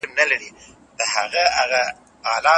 د هغه له ملاتړ څخه لاس اخلم